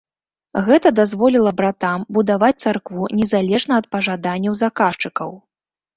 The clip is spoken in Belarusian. Гэта дазволіла братам будаваць царкву незалежна ад пажаданняў заказчыкаў.